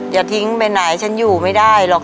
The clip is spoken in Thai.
จะทิ้งไปไหนฉันอยู่ไม่ได้หรอก